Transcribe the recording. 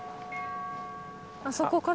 あそこから？